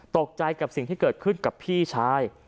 ตกใจกับสิ่งที่เกิดขึ้นกับพี่ชาย